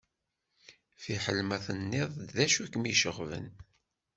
Fiḥel ma tenniḍ-d d acu i kem-iceɣben.